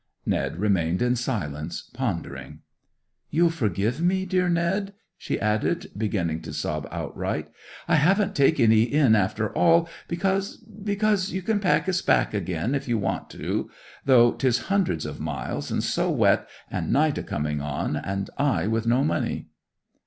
Ned remained in silence, pondering. 'You'll forgive me, dear Ned?' she added, beginning to sob outright. 'I haven't taken 'ee in after all, because—because you can pack us back again, if you want to; though 'tis hundreds o' miles, and so wet, and night a coming on, and I with no money!